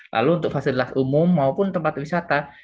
lalu untuk fasilitas umum maupun tempat wisata